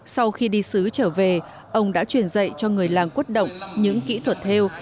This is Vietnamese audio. sau khi đi xứ trở về ông đã truyền dạy cho người làng quốc động những kỹ thuật theo